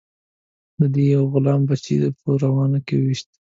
د ده یو غلام بچه یې په ورانه کې وويشت.